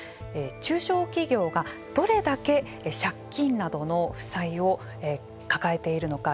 中小企業がどれだけ借金などの負債を抱えているのか